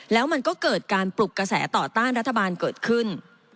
แล้วมันก็เกิดการปลุกกระแสต่อต้านรัฐบาลเกิดขึ้น